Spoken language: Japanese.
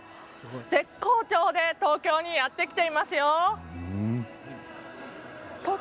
絶好調で東京にやってきていますよ！